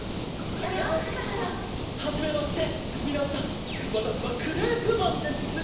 はじめましてみなさんわたしはクレープマンです。